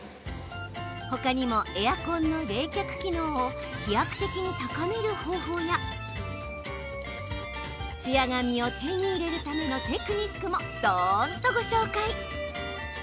ほかにもエアコンの冷却機能を飛躍的に高める方法やツヤ髪を手に入れるためのテクニックも、どーんとご紹介。